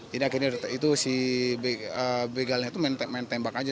jadi akhirnya itu si begalnya itu main tembak aja